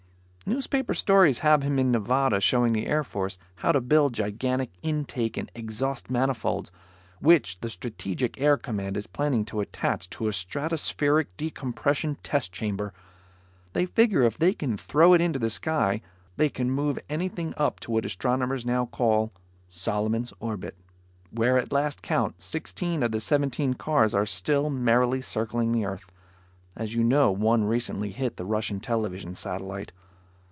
Newspaper stories have him in Nevada showing the Air Force how to build gigantic intake and exhaust manifolds, which the Strategic Air Command is planning to attach to a stratospheric decompression test chamber. They figure if they can throw it into the sky, they can move anything up to what astronomers now call Solomon's Orbit, where at last count, sixteen of the seventeen cars are still merrily circling the earth. As you know, one recently hit the Russian television satellite.